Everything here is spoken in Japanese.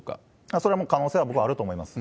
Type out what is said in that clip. それはもう可能性は、僕はあると思います。